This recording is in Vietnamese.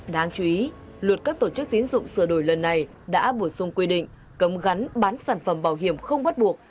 đáng chú ý luật các tổ chức tiến dụng sửa đổi lần này đã bổ sung quy định cấm gắn bán sản phẩm bảo hiểm không bắt buộc